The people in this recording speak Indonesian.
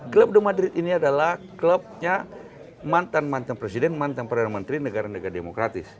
klub the madrid ini adalah klubnya mantan mantan presiden mantan perdana menteri negara negara demokratis